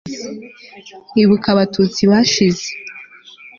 ibuka abatutsi bashize